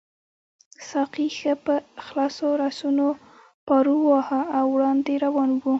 ساقي ښه په خلاصو لاسونو پارو واهه او وړاندې روان وو.